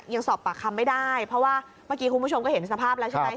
ยังสอบปากคำไม่ได้เพราะว่าเมื่อกี้คุณผู้ชมก็เห็นสภาพแล้วใช่ไหม